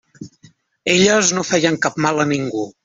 Elles no feien cap mal a ningú.